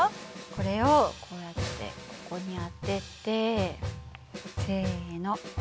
これをこうやってここに当ててせの。